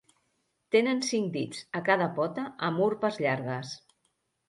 Tenen cinc dits, a cada pota, amb urpes llargues.